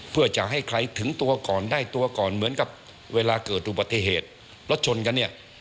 เพื่อจะให้ใครถึงตัวก่อนได้ตัวก่อนเหมือนกับเวลาเกิดอุบัติเหตุรถชนกันเนี่ย